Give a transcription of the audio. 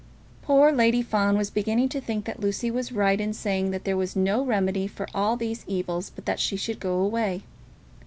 Poor Lady Fawn was beginning to think that Lucy was right in saying that there was no remedy for all these evils but that she should go away.